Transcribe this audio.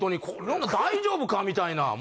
この子大丈夫か？みたいな。